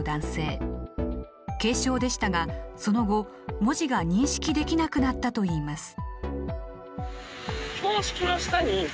軽症でしたがその後文字が認識できなくなったといいます。